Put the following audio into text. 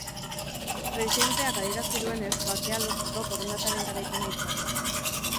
Presidenteak adierazi duenez, bakea lortzeko borondatearen garaipena izan da.